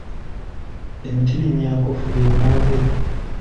Emitirimyankofu ye lumonde.